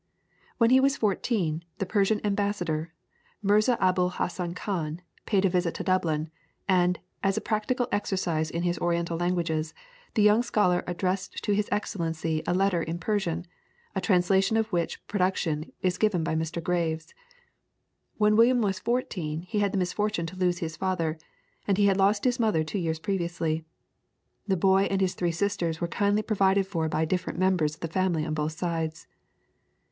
When he was fourteen, the Persian ambassador, Mirza Abul Hassan Khan, paid a visit to Dublin, and, as a practical exercise in his Oriental languages, the young scholar addressed to his Excellency a letter in Persian; a translation of which production is given by Mr. Graves. When William was fourteen he had the misfortune to lose his father; and he had lost his mother two years previously. The boy and his three sisters were kindly provided for by different members of the family on both sides.